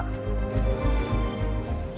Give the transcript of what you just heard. kalau ada apa apa kabarin